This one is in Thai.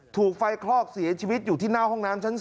ถูกไฟคลอกเสียชีวิตอยู่ที่หน้าห้องน้ำชั้น๒